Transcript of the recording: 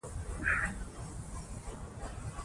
ملالۍ خپل نوم ژوندی ساتلی دی.